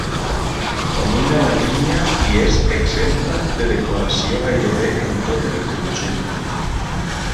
Domina la línia i és exempta de decoració gairebé en tot el conjunt.